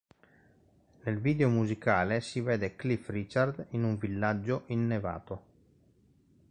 Nel video musicale, si vede Cliff Richard in un villaggio innevato.